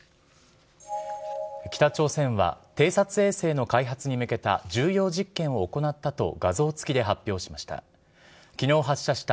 北朝鮮は偵察衛星の開発に向けた重要実験を行ったと、画像付きで発表しました。